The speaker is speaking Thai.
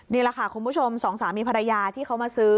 นี่แหละค่ะคุณผู้ชมสองสามีภรรยาที่เขามาซื้อ